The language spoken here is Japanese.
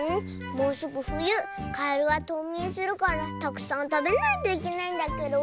もうすぐふゆカエルはとうみんするからたくさんたべないといけないんだケロ。